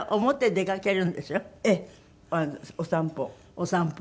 お散歩。